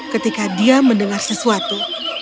ketika dia mendengar sesuatu